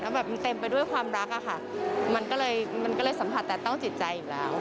แล้วมันเต็มไปด้วยความรักมันก็เลยสัมผัสแต่ต้องจิตใจอยู่แล้ว